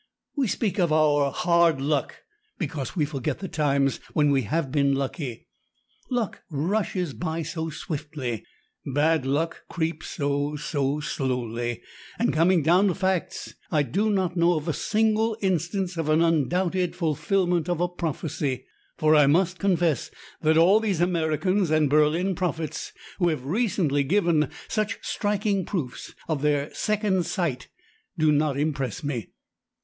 We speak of our 'hard luck' because we forget the times when we have been lucky. Luck rushes by so swiftly! Bad luck creeps, oh, so slowly! And, coming down to facts, I do not know of a single instance of an undoubted fulfillment of a prophecy. For I must confess that all these American and Berlin prophets who have recently given such striking proofs of their 'second sight' do not impress me.